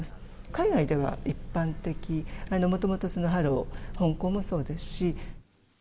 海外では一般的、もともとハロウ本校もそうですし。